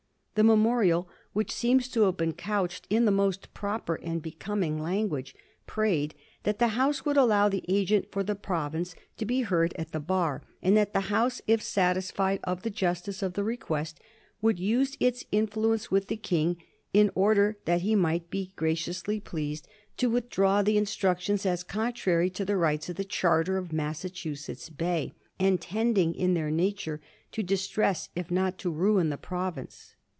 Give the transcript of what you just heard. The memorial, which seems to have been couched in the most proper and becoming language, prayed that the House would allow the agent for the province to be heard at the bar, and that the House, if satisfied of the justice of the request, would use its influence with the King in order that he might be graciously pleased to withdraw 1786. MASSACHUSETTS BAY RETALUTEa 43 the instructions as contrary to the rights of the charter of Massachusetts Bay, and tending in their nature to dis tress if not to ruin the province.